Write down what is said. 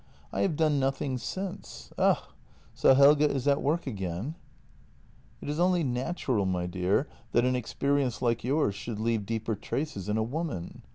I have done nothing since. Ugh! So Helge is at work again ?" "It is only natural, my dear, that an experience like yours should leave deeper traces in a woman."